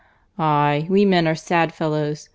"Aye, we men are sad fellows.